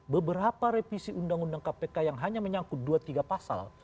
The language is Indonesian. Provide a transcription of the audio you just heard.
beberapa revisi undang undang kpk yang hanya menyangkut dua tiga pasal